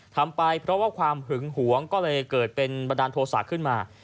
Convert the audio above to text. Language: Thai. ทำไปเพราะว่าความหึงหวงก็เลยเกิดเป็นบันดาลโทษะขึ้นมา